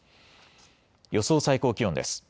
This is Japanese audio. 予想最高気温です。